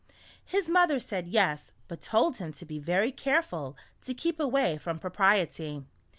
His mother said yes, but told him to be very careful to keep away from Propriety.